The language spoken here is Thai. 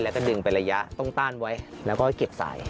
แล้วก็ดึงไประยะต้องต้านไว้แล้วก็เก็บสาย